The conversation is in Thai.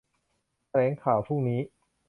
แถลงข่าวพรุ่งนี้